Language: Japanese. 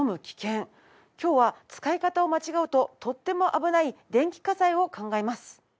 今日は使い方を間違うととっても危ない電気火災を考えます。